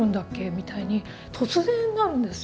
みたいに突然なるんですよ。